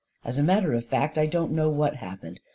"As a matted of fact, I don't know what happened.